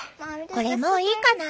これもういいかな？